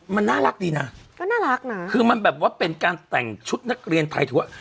มันน่ารักดีนะก็น่ารักนะคือมันแบบว่าเป็นการแต่งชุดนักเรียนไทยถือว่า